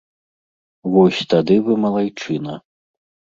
Вось тады вы малайчына.